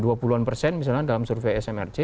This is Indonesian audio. dua puluh an persen misalnya dalam survei smrc